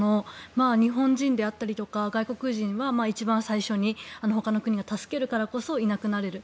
日本人であったりとか外国人は一番最初にほかの国が助けるからこそいなくなれる。